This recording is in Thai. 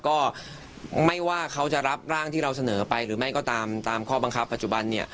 ก็ไม่ว่าเขาจะรับร่างที่เราเสนอไปหรือไม่ก็ตามตามข้อบังคับปัจจุบันเนี่ย